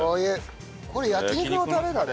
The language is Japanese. これ焼肉のタレだね。